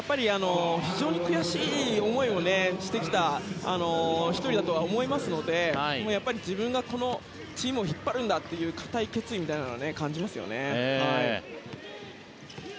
非常に悔しい思いをしてきた１人だと思いますのでやっぱり自分がチームを引っ張るという固い決意を感じますよね。